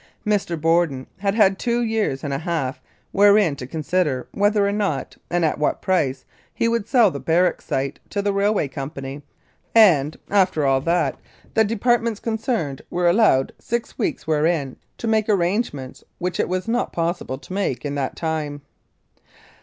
Mr. Borden had had two years and a half wherein to consider whether or not, and at what price, he would sell the barracks site to the Railway Company, and, after all that, the departments concerned were allowed six weeks wherein to make arrangements which it was not possible to make in the time.